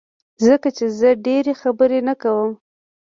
ځکه چي زه ډيری خبری نه کوم